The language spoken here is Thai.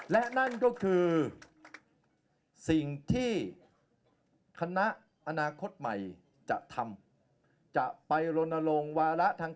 และนั่นก็คือสิ่งที่คณะอนาคตใหม่จะทำจะไปลนลงวาระทาง